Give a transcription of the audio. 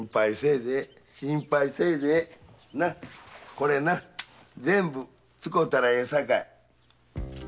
これな全部使うたらええさかい。